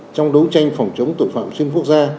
trong đấu tranh phòng chống tội phạm xuyên quốc gia